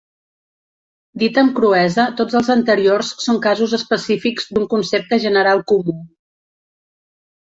Dit amb cruesa, tots els anteriors són casos específics d'un concepte general comú.